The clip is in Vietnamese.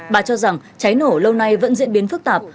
bà cho rằng cháy nổ lâu nay vẫn diễn biến phức tạp